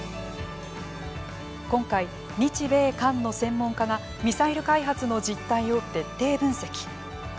今回、日米韓の専門家がミサイル開発の実態を徹底分析。